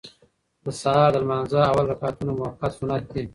د سهار د لمانځه اول رکعتونه مؤکد سنت دي.